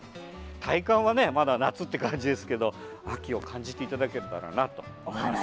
体感は、まだ夏って感じですけど秋を感じていただけたらなと思いますね。